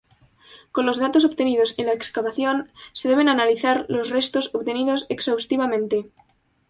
Con los datos obtenidos en la excavación, se deben analizar los restos obtenidos exhaustivamente.